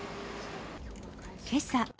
けさ。